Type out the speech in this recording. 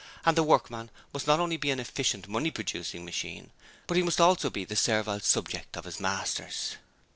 And the workman must not only be an efficient money producing machine, but he must also be the servile subject of his masters.